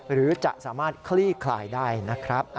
หรือจะสามารถคลี่คลายได้นะครับ